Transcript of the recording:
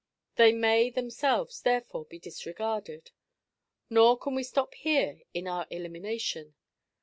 They may themselves therefore be disregarded. Nor can we stop here in our elimination.